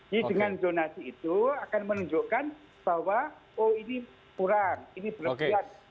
jadi dengan zonasi itu akan menunjukkan bahwa oh ini kurang ini berlebihan